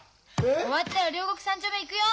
終わったら両国３丁目いくよ！